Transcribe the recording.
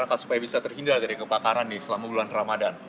untuk warga masyarakat supaya bisa terhindar dari kebakaran selama bulan ramadhan